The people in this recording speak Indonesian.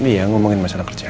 ya ngomongin masalah kerja